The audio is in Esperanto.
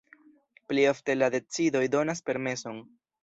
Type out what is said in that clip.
Pli ofte la decidoj donas permeson.